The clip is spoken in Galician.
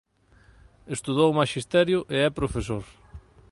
Estudou maxisterio e é profesor.